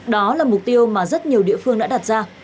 đó là mục tiêu mà rất nhiều địa phương đã đặt ra